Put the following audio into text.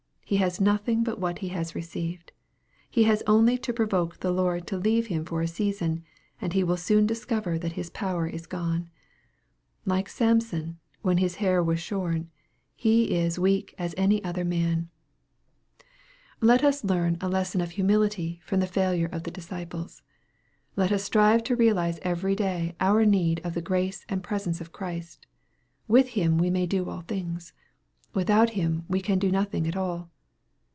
He hae nothing but what he has received. He has only to provoke the Lord to leave him for a season, and he will soon discover that his power is gone. Like Samson, when his ha/r was shorn, he is weak as any otb er man. 182 EXPOSITORY THOUGHTS. Let us learn a lesson of humility from the failure of the disciples. Let us strive to realize every day oui need of the grace and presence of Christ. With Him we may do all things. Without Him we can do nothing at all.